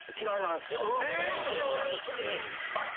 言った後すぐに。